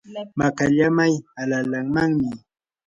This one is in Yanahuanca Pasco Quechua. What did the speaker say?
makallamay alalaamanmi.